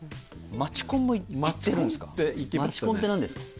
街コンって何ですか？